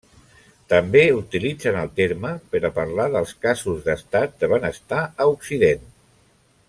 També utilitzen el terme per a parlar dels casos d'Estat de benestar a Occident.